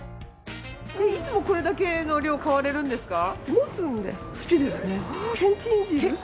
いつもこれだけの量買われるんですか？